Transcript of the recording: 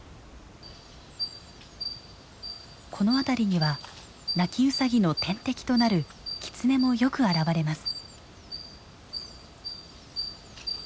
この辺りにはナキウサギの天敵となるキツネもよく現れます。